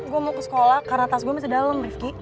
gue mau ke sekolah karena tas gue masih dalam rifki